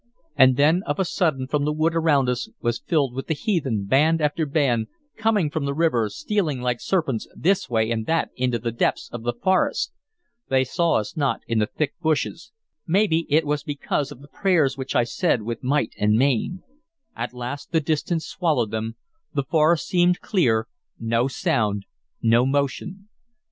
And then of a sudden the wood around us was filled with the heathen, band after band, coming from the river, stealing like serpents this way and that into the depths of the forest. They saw us not in the thick bushes; maybe it was because of the prayers which I said with might and main. At last the distance swallowed them, the forest seemed clear, no sound, no motion.